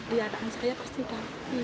di arahan saya pasti ada